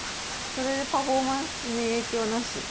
それでパフォーマンスに影響なし？